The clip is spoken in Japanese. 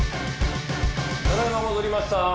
ただ今戻りました。